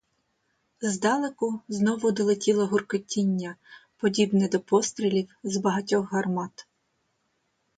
Здалеку знову долетіло гуркотіння, подібне до пострілів з багатьох гармат.